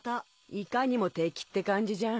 いかにも敵って感じじゃん。